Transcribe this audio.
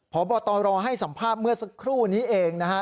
พบตรให้สัมภาษณ์เมื่อสักครู่นี้เองนะฮะ